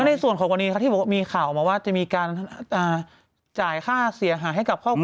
ในส่วนของกรณีที่บอกว่ามีข่าวออกมาว่าจะมีการจ่ายค่าเสียหายให้กับครอบครัว